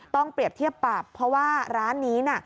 ต้องเปรียบเทียบปรับเพราะว่าร้านนี้น่ะ